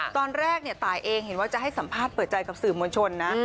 ตอนแรกตายเองเห็นว่าจะให้สัมภาษณ์เปิดใจกับสื่อมวลชนนะ